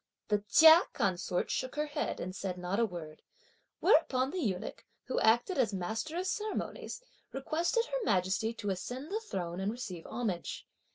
The Chia consort shook her head and said not a word; whereupon the eunuch, who acted as master of ceremonies, requested Her Majesty to ascend the throne and receive homage.